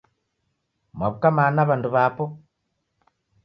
Mwaw'uka mana w'andu w'apo?